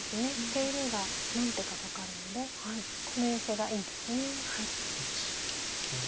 手入れが何手かかかるのでこのヨセがいいです。